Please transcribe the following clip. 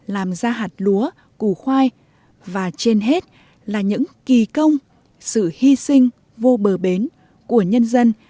làm ra hạt lúa củ khoai và trên hết là những kỳ công sự hy sinh vô bờ bến của nhân dân